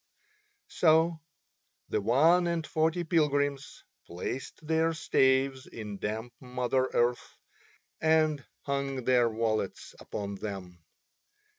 So the one and forty pilgrims placed their staves in damp Mother Earth and hung their wallets upon them.